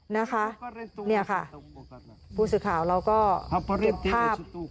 นี่ค่ะผู้สื่อข่าวเราก็ติดภาพ